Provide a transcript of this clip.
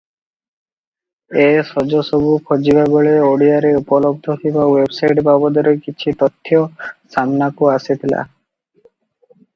ଏ ସଜସବୁ ଖୋଜିବା ବେଳେ ଓଡ଼ିଆରେ ଉପଲବ୍ଧ ଥିବା ୱେବସାଇଟ ବାବଦରେ କିଛି ତଥ୍ୟ ସାମନାକୁ ଆସିଥିଲା ।